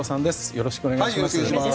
よろしくお願いします。